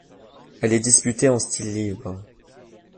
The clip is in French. Elle est disputée en style libre.